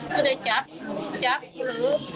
ไม่ได้จับไม่ได้จับอยู่หรือ